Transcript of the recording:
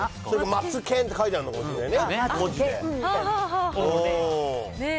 マツケンって書いてあるのかもしれないね。